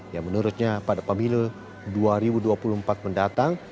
yang menurutnya pada pemilu dua ribu dua puluh empat mendatang